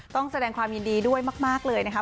ต้องแสดงความยินดีด้วยมากเลยนะคะ